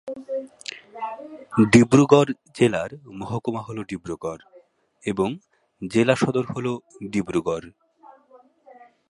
ডিব্ৰুগড় জেলার মহকুমা হলো ডিব্ৰুগড় এবং জেলা সদর হলো ডিব্রুগড়।